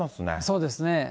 そうですね。